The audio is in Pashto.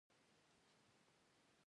زه هره ورځ خپل موبایل تازه کوم.